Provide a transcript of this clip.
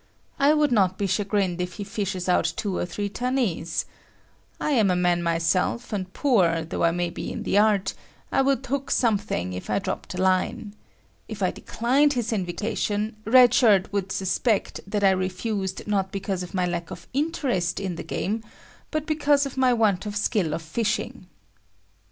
I would not be chagrined if he fishes out two or three tunnies. I am a man myself and poor though I may be in the art, I would hook something if I dropped a line. If I declined his invitation, Red Shirt would suspect that I refused not because of my lack of interest in the game but because of my want of skill of fishing.